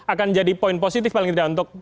akan jadi poin positif paling tidak untuk